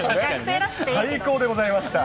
最高でございました。